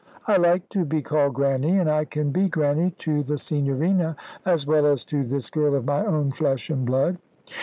"I like to be called Grannie, and I can be Grannie to the Signorina as well as to this girl of my own flesh and blood.